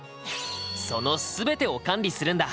その全てを管理するんだ。